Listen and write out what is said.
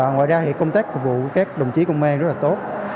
ngoài ra công tác phục vụ các đồng chí công an rất là tốt